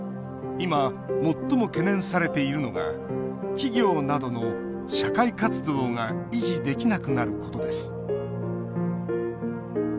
今、最も懸念されているのが企業などの社会活動が維持できなくなることです。